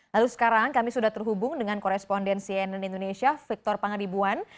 lalu sekarang kami sudah terhubung dengan korespondensi nn indonesia victor pangadibuan